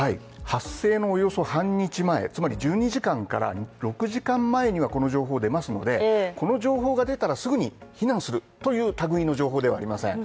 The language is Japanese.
発生のおよそ半日前、つまり１２時間から６時間前には、この情報が出ますので、この情報が出たらすぐに避難するという類いの情報ではありません。